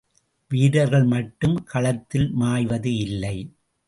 வீரர்கள் மட்டும் களத்தில் மாய்வது இல்லை.